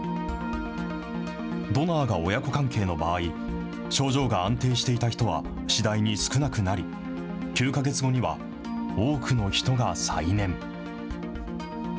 ドナーが親子関係の場合、症状が安定していた人は次第に少なくなり、９か月後には、多くの人が再燃。